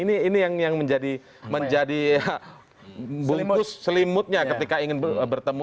ini yang menjadi bungkus selimutnya ketika ingin bertemu